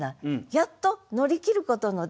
やっと乗り切ることのできる。